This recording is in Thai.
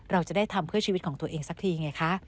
เราจะได้ทำเพื่อชีวิตของตัวเองสักทีไงคะ